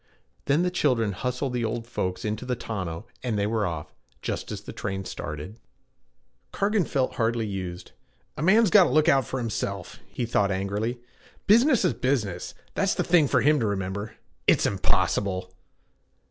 Then the children hustled the old folks into the tonneau and they were off, just as the train started. Cargan felt hardly used. 'A man's got to look out for himself,' he thought angrily. 'Business is business that's the thing for him to remember. "It's impossible!"